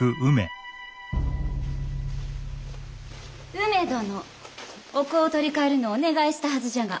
梅殿お香を取り替えるのをお願いしたはずじゃが。